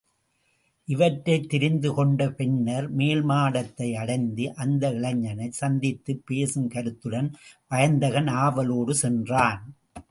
இவற்றைத் தெரிந்து கொண்ட பின்னர், மேல்மாடத்தை அடைந்து அந்த இளைஞனைச் சந்தித்துப் பேசும் கருத்துடன் வயந்தகன் ஆவலோடு சென்றான்.